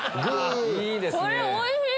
これおいしい！